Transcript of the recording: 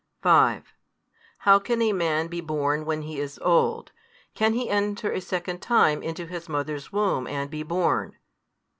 5 How can a man be born when he is old? can he enter a second time into his mother's womb, and be born?